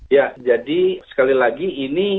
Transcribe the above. ya jadi sekali lagi ini